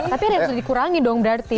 tapi harus dikurangi dong berarti